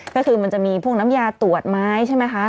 ก็คือมันจะมีพวกน้ำยาตรวจไม้ใช่ไหมคะ